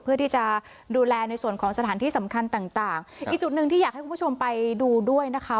เพื่อที่จะดูแลในส่วนของสถานที่สำคัญต่างต่างอีกจุดหนึ่งที่อยากให้คุณผู้ชมไปดูด้วยนะคะ